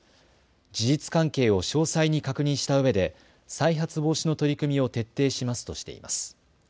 事実関係を詳細に確認したうえで再発防止の取り組みを徹底しますとしています。